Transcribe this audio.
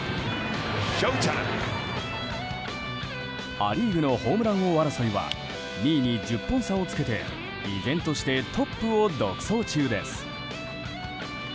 ア・リーグのホームラン王争いは２位に１０本差をつけて依然としてトップを独走中です。